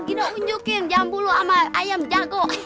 kita unjukin jambu lu sama ayam jangkuk